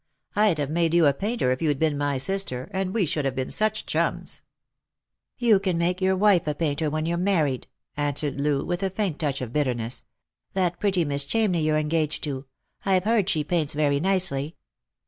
" I'd have made you a painter, if you'd been my sister, and we should have been such chums !"" You can make your wife a painter when you're married !" answered Loo, with a faint touch of bitterness ;" that pretty Miss Ohamney you're engaged to — I've heard you say she paints very nicely."